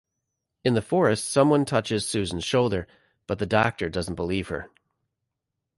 In the forest someone touches Susan's shoulder, but the Doctor doesn't believe her.